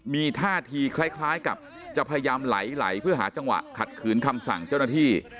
มีท่าทีคล้ายกับจะพยายามไหลเพื่อหาจังหวะขัดขืนคำสั่งเจ้าหน้าที่